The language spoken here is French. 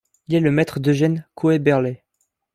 Il est le maître d'Eugène Koeberlé.